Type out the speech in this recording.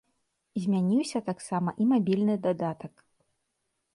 Змяніўся таксама і мабільны дадатак.